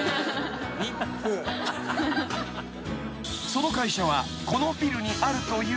［その会社はこのビルにあるというが］